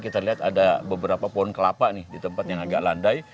kita lihat ada beberapa pohon kelapa nih di tempat yang agak landai